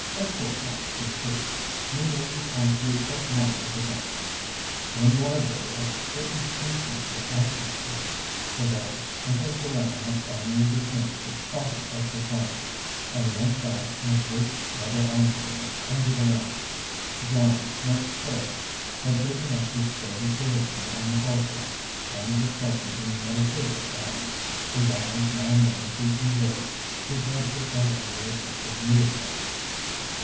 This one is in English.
"Of course not, Miss Bruce. You know we count you as one of the family." In the library a certain tenseness of atmosphere prevailed, until Joanna had finally dismissed the coffee equipage, and leant back in a great leather arm chair under the lamp. John, next her, had taken up his favourite position on the hearthrug, and was smoking in meditative silence, his eyes now and then seeking Grace, whose head was bent over a piece of needlework.